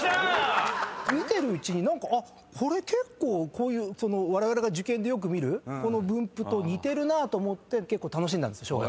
見てるうちに何かこれ結構われわれが受験でよく見る分布と似てるなと思って結構楽しんだんです正月。